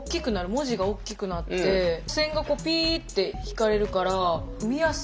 文字が大きくなって線がピーって引かれるから見やすい。